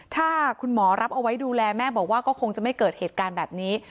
ถ้าคุณหมอรับเอาไว้ดูแลแม่บอกว่าก็คงจะไม่เกิดเหตุการณ์แบบนี้